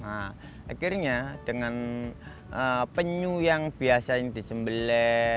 akhirnya dengan penyuh yang biasa yang disembeli